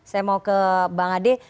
saya mau ke bang ade